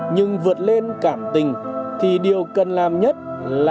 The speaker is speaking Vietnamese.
nhưng vượt lên cảm tình thì điều cần làm nhất là